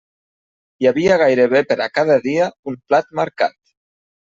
Hi havia gairebé per a cada dia un plat marcat.